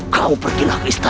kau pergilah ke islam